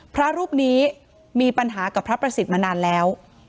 พระรูปนี้มีปัญหากับพระประสิทธิ์มานานแล้ว